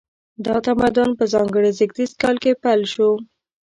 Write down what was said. دا تمدن په ځانګړي زیږدیز کال کې پیل شو.